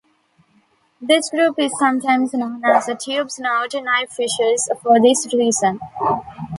This group is sometimes known as the tubesnout knifefishes for this reason.